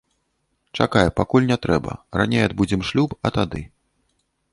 Чакай, пакуль не трэба, раней адбудзем шлюб, а тады.